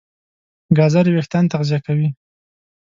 ګازرې وېښتيان تغذیه کوي.